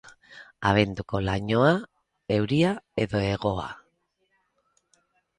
Abenduko lainoa, euria edo hegoa.